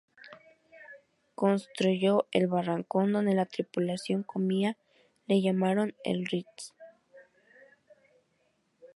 Construyó el barracón donde la tripulación comía, le llamaron "El Ritz".